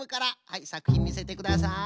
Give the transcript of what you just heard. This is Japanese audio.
はいさくひんみせてください。